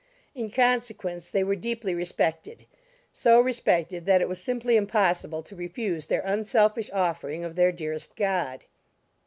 In consequence they were deeply respected, so respected that it was simply impossible to refuse their unselfish offering of their dearest god.